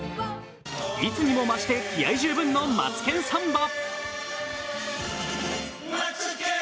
いつにも増して気合い十分の「マツケンサンバ」。